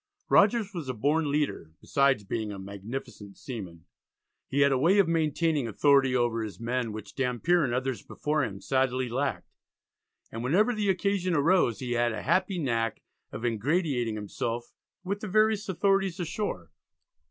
Rogers was a born leader, besides being a magnificent seaman. He had a way of maintaining authority over his men, which Dampier and others before him sadly lacked, and whenever the occasion arose he had a happy knack of ingratiating himself with the various authorities ashore.